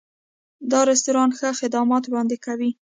دا رستورانت ښه خدمات وړاندې کوي.